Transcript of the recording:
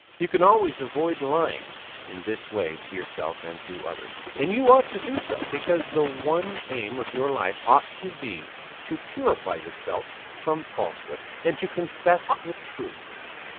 You can always avoid lying in this way to yourself and to others, and you ought to do so; because the one aim of your life ought to be to purify yourself from falsehood and to confess the truth.